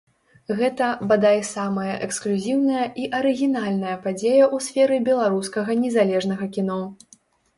Гэта, бадай, самая эксклюзіўная і арыгінальная падзея ў сферы беларускага незалежнага кіно.